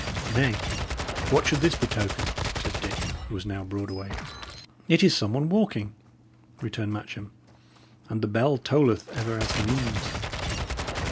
"Nay, what should this betoken?" said Dick, who was now broad awake. "It is some one walking," returned Matcham, and "the bell tolleth ever as he moves."